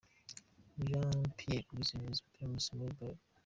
Jean Pierre Uwizeye umuyobozi wa Primus muri Bralirwa.